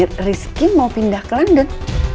rizky mau pindah ke london